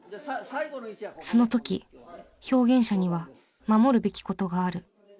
その時表現者には守るべき事がある。